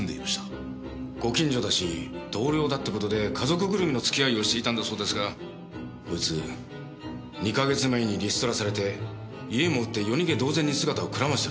ご近所だし同僚だって事で家族ぐるみの付き合いをしていたんだそうですがこいつ２か月前にリストラされて家も売って夜逃げ同然に姿をくらましてるんです。